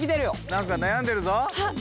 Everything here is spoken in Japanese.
なんか悩んでるぞ。